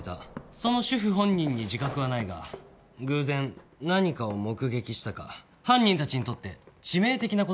その主婦本人に自覚はないが偶然何かを目撃したか犯人たちにとって致命的な事を知っていた。